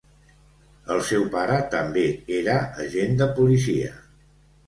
El seu pare també era agent de policia.